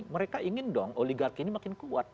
mereka ingin dong oligarki ini makin kuat